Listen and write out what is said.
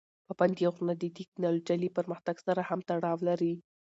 پابندي غرونه د تکنالوژۍ له پرمختګ سره هم تړاو لري.